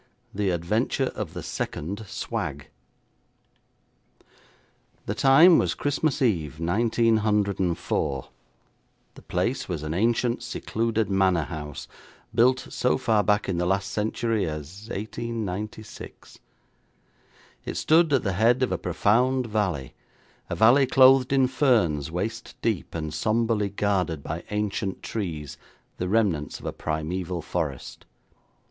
The Adventure of the Second Swag The time was Christmas Eve, 1904. The place was an ancient, secluded manor house, built so far back in the last century as 1896. It stood at the head of a profound valley; a valley clothed in ferns waist deep, and sombrely guarded by ancient trees, the remnants of a primeval forest.